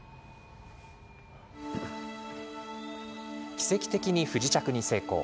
奇跡的に不時着に成功。